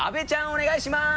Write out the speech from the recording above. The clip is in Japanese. お願いします！